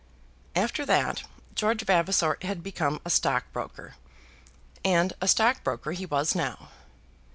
After that George Vavasor had become a stockbroker, and a stockbroker he was now.